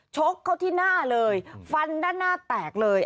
ชกเข้าที่หน้าเลยฟันด้านหน้าแตกเลย